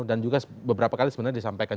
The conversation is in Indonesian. dan juga beberapa kali sebenarnya disampaikan